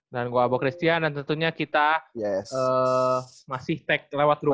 dan saya abo christian dan tentunya kita masih tag lewat rumah